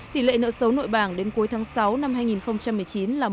tỷ lệ nợ sấu nội bảng đến cuối tháng sáu năm hai nghìn một mươi chín là một chín